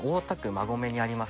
馬込にあります